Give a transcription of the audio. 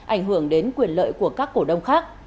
ảnh hưởng đến quyền lợi của các cổ đông khác